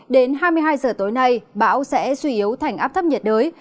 đến hai mươi hai giờ tối nay bão sẽ suy yếu thành áp thấp nhiệt đới